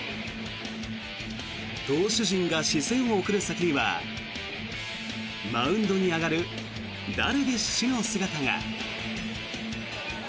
投手陣が視線を送る先にはマウンドに上がるダルビッシュの姿が。